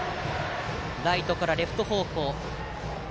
ライトからレフト方向。